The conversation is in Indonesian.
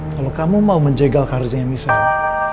kalau kamu mau menjegal karirnya misalnya